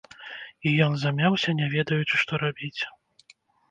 І ён замяўся, не ведаючы, што рабіць.